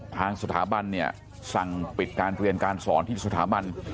ทางสถาบันเนี่ยสั่งปิดการเรียนการสอนที่สถาบัน